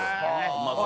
うまそう。